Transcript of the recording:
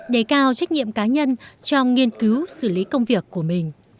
đề cao trách nhiệm cá nhân trong nghiên cứu xử lý công việc của mình